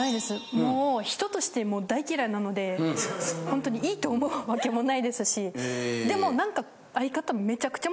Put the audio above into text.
もう人として大嫌いなのでほんとにいいと思うわけもないですしでもなんか相方。